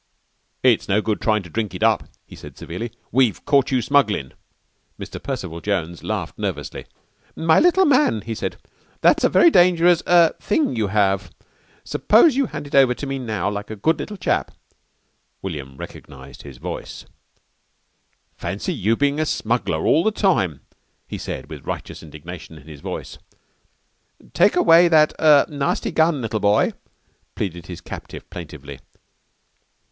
"It's no good tryin' to drink it up," he said severely. "We've caught you smugglin'." Mr. Percival Jones laughed nervously. "My little man!" he said, "that's a very dangerous er thing for you to have! Suppose you hand it over to me, now, like a good little chap." William recognised his voice. [Illustration: "WE'VE CAUGHT YOU SMUGGLING!" WILLIAM SAID SEVERELY.] "Fancy you bein' a smuggler all the time!" he said with righteous indignation in his voice. "Take away that er nasty gun, little boy," pleaded his captive plaintively.